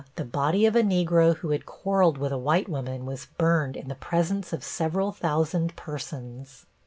the body of a Negro who had quarreled with a white woman was burned in the presence of several thousand persons.